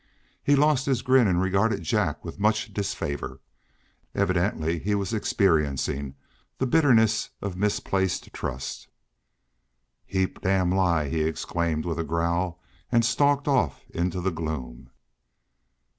He lost his grin and regarded Jack with much disfavor. Evidently he was experiencing the bitterness of misplaced trust. "Heap damn lie!" he exclaimed with a growl, and stalked off into the gloom.